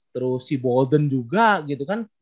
terus si bolden juga gitu kan